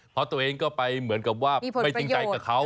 เพราะตัวเองก็ไปเหมือนกับว่าไม่จริงใจกับเขา